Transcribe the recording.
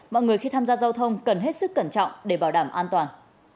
mọi người khi tham gia giao thông cần hết sức cẩn trọng để bảo đảm an toàn